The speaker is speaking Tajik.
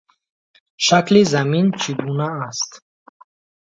Шакли Замин чӣ гуна аст?